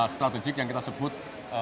strategik yang kita sebut